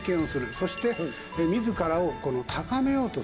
そして自らを高めようとする。